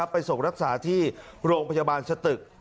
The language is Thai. ไปส่งรักษาที่โรงพยาบาลสตึก